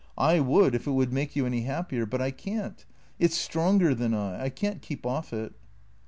I would if it would make you 328 THECKEATORS any happier, but I can't. It's stronger than I. I can't keep off' it."